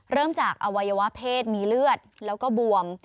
เริ่มจากอวัยวะเพศมีเลือดแล้วก็บวม